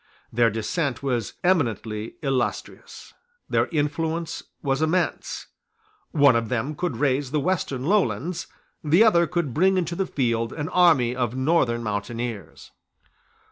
Their descent was eminently illustrious: their influence was immense: one of them could raise the Western Lowlands: the other could bring into the field an army of northern mountaineers.